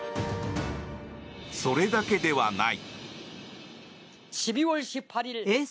それだけではない。